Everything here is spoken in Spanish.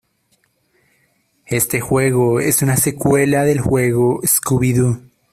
Este juego es una secuela del juego Scooby-Doo!